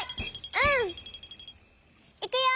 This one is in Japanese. うん！いくよ！